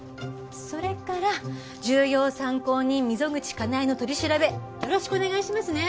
それから重要参考人溝口カナエの取り調べよろしくお願いしますね。